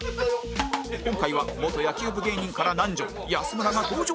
今回は元野球部芸人から南條安村が登場！